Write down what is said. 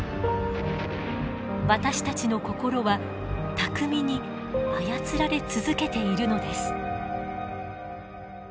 私たちの心は巧みに操られ続けているのです。